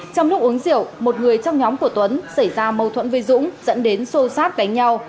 trong lúc uống rượu một người trong nhóm của tuấn xảy ra mâu thuẫn với dũng dẫn đến xô xát đánh nhau